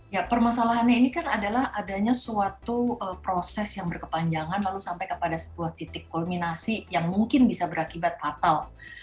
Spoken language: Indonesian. ya permasalahannya ini kan adalah adanya suatu proses yang berkepanjangan lalu sampai kepada sebuah titik kulminasi yang mungkin bisa berakibat fatal